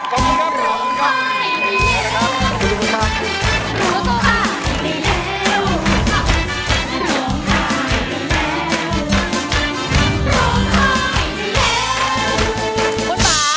คุณฟา